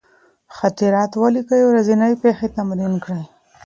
خاطرات ولیکئ، ورځني پېښې تمرین کړئ.